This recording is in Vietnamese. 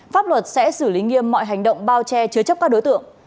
pháp luật sẽ xử lý nghiêm mọi hành động bao che chứa chấp các đối tượng